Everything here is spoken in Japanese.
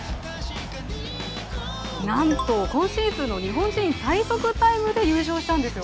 なんと、今シーズンの日本人最速タイムで優勝したんですよ